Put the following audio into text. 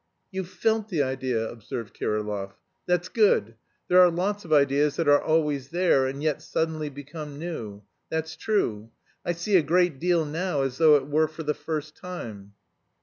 "You 'felt the idea'?" observed Kirillov. "That's good. There are lots of ideas that are always there and yet suddenly become new. That's true. I see a great deal now as though it were for the first time."